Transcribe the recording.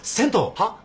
はっ？